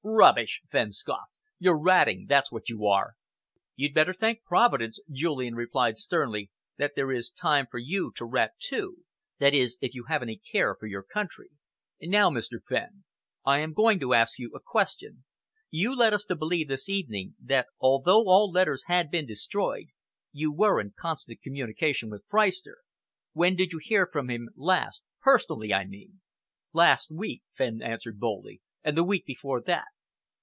"Rubbish!" Fenn scoffed. "You're ratting, that's what you are." "You'd better thank Providence," Julian replied sternly, "that there is time for you to rat, too that is, if you have any care for your country. Now, Mr. Fenn, I am going to ask you a question. You led us to believe, this evening, that, although all letters had been destroyed, you were in constant communication with Freistner. When did you hear from him last personally, I mean?" "Last week," Fenn answered boldly, "and the week before that."